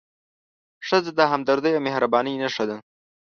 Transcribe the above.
ښځه د همدردۍ او مهربانۍ نښه ده.